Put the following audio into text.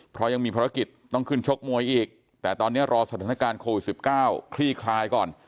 เพราะยังมีภารกิจต้องขึ้นชกมวยอีกแต่ตอนนี้รอสถานการณ์โควิด๑๙คลี่คลายก่อน